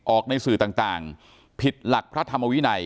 ในสื่อต่างผิดหลักพระธรรมวินัย